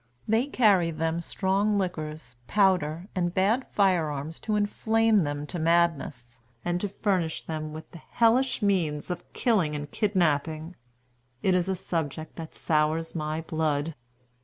They carry them strong liquors, powder, and bad fire arms to inflame them to madness, and to furnish them with the hellish means of killing and kidnapping. It is a subject that sours my blood.